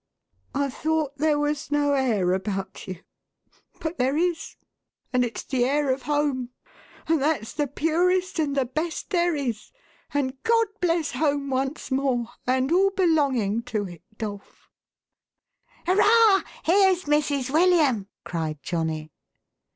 I thought there was no air about you ; but there is, and it's the air of home, and that's the purest and the best there is, and GOD bless home once more, and all belonging to it, Dolf!" " Hurrah ! Here's Mrs. William !" cried Johnny.